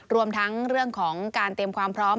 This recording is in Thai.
รวมทั้งเรื่องของการเตรียมความพร้อม